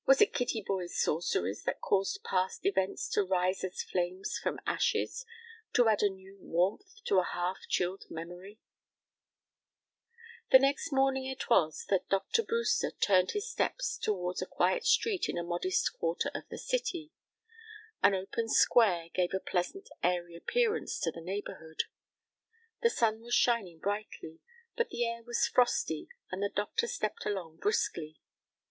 Was it Kittyboy's sorceries that caused past events to rise as flames from ashes, to add a new warmth to a half chilled memory? [Illustration: "Into this jumped Kittyboy" Page 26] The next morning it was that Dr. Brewster turned his steps toward a quiet street in a modest quarter of the city. An open square gave a pleasant, airy appearance to the neighborhood. The sun was shining brightly, but the air was frosty, and the doctor stepped along briskly.